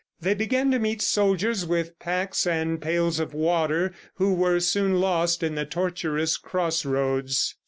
They began to meet soldiers with packs and pails of water who were soon lost in the tortuous cross roads.